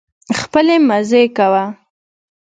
خپلې مزې کوه